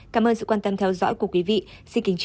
cảm ơn sự quan tâm theo dõi của quý vị xin kính chào và hẹn gặp lại